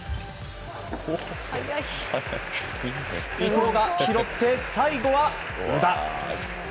伊藤が拾って、最後は宇田。